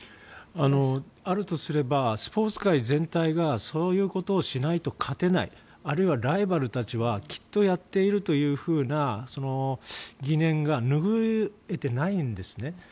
あるとすればスポーツ界全体がそういうことをしないと勝てないあるいはライバルたちはきっとやっているというふうな疑念がぬぐえていないんですね。